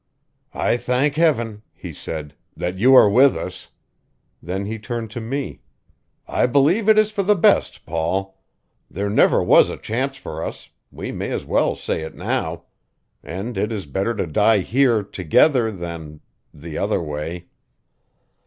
"I thank Heaven," he said, "that you are with us." Then he turned to me: "I believe it is for the best, Paul. There never was a chance for us; we may as well say it now. And it is better to die here, together, than the other way."